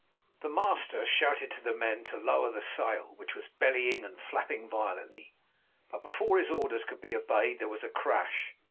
The master shouted to the men to lower the sail, which was bellying and flapping violently, but before his orders could be obeyed there was a crash.